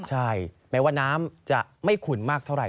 ใช่แม้ว่าน้ำจะไม่ขุ่นมากเท่าไห